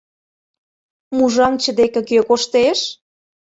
Мужаҥче деке кӧ коштеш?